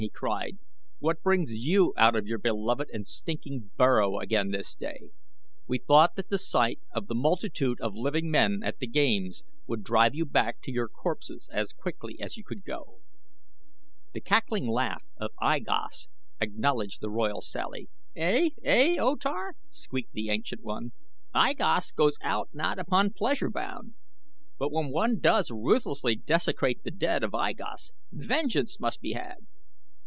he cried. "What brings you out of your beloved and stinking burrow again this day. We thought that the sight of the multitude of living men at the games would drive you back to your corpses as quickly as you could go." The cackling laugh of I Gos acknowledged the royal sally. "Ey, ey, O Tar," squeaked the ancient one, "I Gos goes out not upon pleasure bound; but when one does ruthlessly desecrate the dead of I Gos, vengeance must be had!"